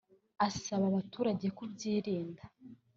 asaba abaturage kubyirinda